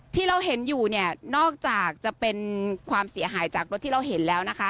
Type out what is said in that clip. ที่เราเห็นอยู่เนี่ยนอกจากจะเป็นความเสียหายจากรถที่เราเห็นแล้วนะคะ